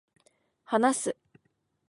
話す、